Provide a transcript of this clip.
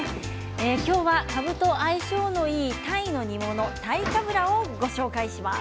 きょうはかぶと相性のいい鯛の煮物鯛かぶらをご紹介します。